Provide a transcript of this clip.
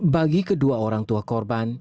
bagi kedua orang tua korban